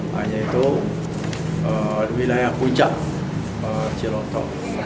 hanya itu wilayah puncak ciloto